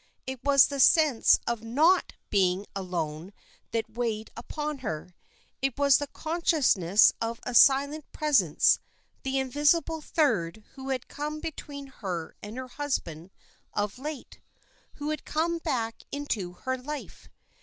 It was the sense of not being alone that weighed upon her. It was the consciousness of a silent presence the invisible third who had come between her and her husband of late who had come back into her life.